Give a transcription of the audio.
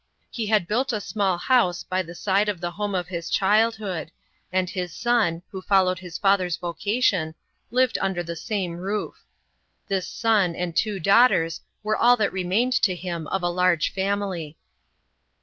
He had built a small house by the side of the home of his childhood, and his son, who followed his father's vocation, lived under the same roof. This son and two daughters were all that remained to him of a large family.